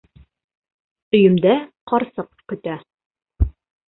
Өйөмдә ҡарсыҡ көтә...